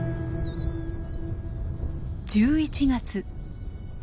１１月。